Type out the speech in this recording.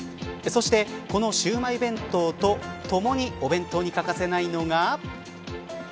そして、このシウマイ弁当とともにお弁当に欠かせないのが。